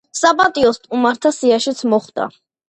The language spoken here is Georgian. საპატიო სტუმართა სიაშიც მოხვდა.